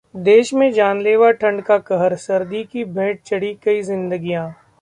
देश में जानलेवा ठंड का कहर, सर्दी की भेंट चढ़ीं कई जिंदगियां